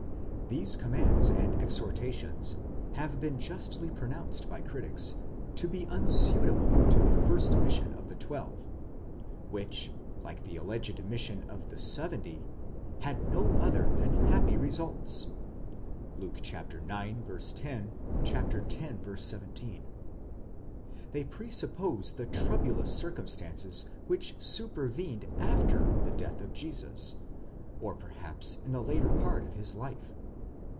These commands and exhortations have been justly pronounced by critics? to be unsuitable to the first mission of the twelve, which, like the alleged mission of the seventy, had no other than happy results (Luke ix. ro, x. 17); they presuppose the troublous circum stances which supervened after the death of Jesus, or perhaps in the latter period of his life.